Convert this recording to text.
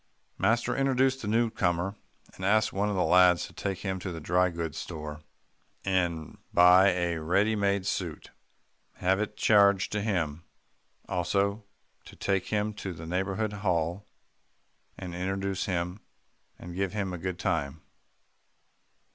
Master introduced the newcomer, and asked one of the lads to take him to the dry goods store, and buy a ready made suit, and have it charged to him; also to take him to Neighbourhood Hall, and introduce him, and give him a good time.